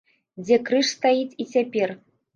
Дзе крыж стаіць і цяпер.